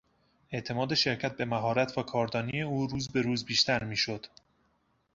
اعتماد شرکت به مهارت و کاردانی او روز به روز بیشتر میشد.